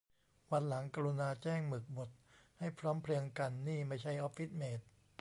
วันหลังกรุณาแจ้งหมึกหมดให้พร้อมเพรียงกัน นี่ไม่ใช่ออฟฟิศเมท